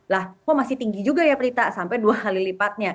lah kok masih tinggi juga ya prita sampai dua kali lipatnya